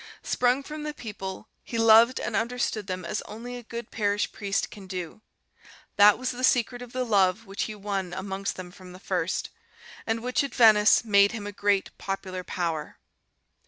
Sprung from the people, he loved and understood them as only a good parish priest can do. That was the secret of the love which he won amongst them from the first, and which at Venice made him a great popular power.